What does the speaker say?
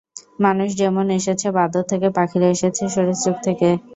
মানুষ যেমন এসেছে বাঁদর থেকে, পাখিরা এসেছে সরীসৃপ থেকে।